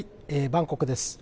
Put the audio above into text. バンコクです。